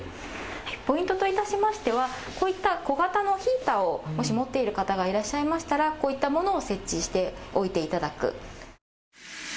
ポイントといたしましてはこういった小型のヒーターなど、もし持っている方いらっしゃいましたらこういったものをして設置しておいていただく。